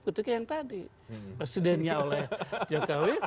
ketika yang tadi presidennya oleh jokowi